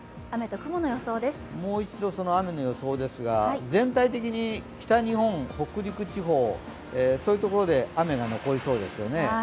もう一度、雨の予想ですが全体的に北日本、北陸地方で雨が残りそうですね。